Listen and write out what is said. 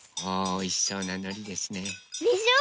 おいしそうなのりですね。でしょ？